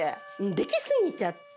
でき過ぎちゃって。